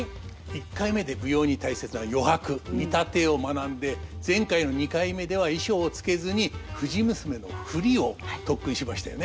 １回目で舞踊に大切な余白「見立て」を学んで前回の２回目では衣装を着けずに「藤娘」の振りを特訓しましたよね。